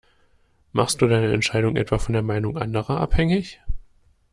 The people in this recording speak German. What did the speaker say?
Machst du deine Entscheidung etwa von der Meinung anderer abhängig?